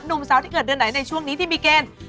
หนุ่มสาวที่เกิดเดือนไหนในช่วงนี้ที่มีเกณฑ์